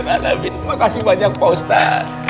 terima kasih banyak pak ustad